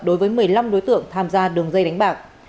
đối với một mươi năm đối tượng tham gia đường dây đánh bạc